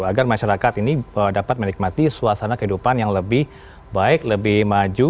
agar masyarakat ini dapat menikmati suasana kehidupan yang lebih baik lebih maju